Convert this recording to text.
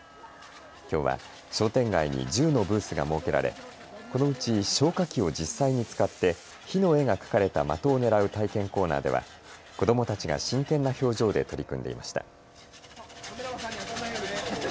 きょうは商店街に１０のブースが設けられ、このうち消火器を実際に使って火の絵が描かれた的を狙う体験コーナーでは子どもたちが真剣な表情で取り組んでいました。